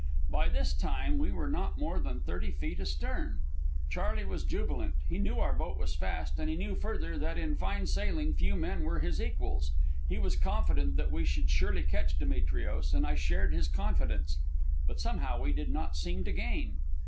By this time we were not more than thirty feet astern. Charley was jubilant. He knew our boat was fast, and he knew, further, that in fine sailing few men were his equals. He was confident that we should surely catch Demetrios, and I shared his confidence. But somehow we did not seem to gain.